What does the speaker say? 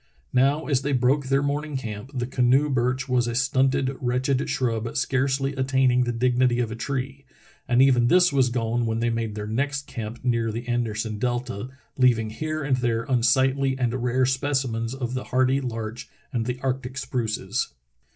Now as they broke their morning camp the canoe birch was a stunted, wretched shrub scarcely attaining the dignity of a tree, and even this was gone when they made their next camp near the Anderson delta, leaving here and there unsightly and rare specimens of the hardy larch and the arctic spruces.